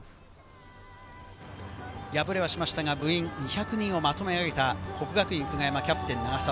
敗れはしましたが部員２００人をまとめ上げた國學院久我山・キャプテンの永澤。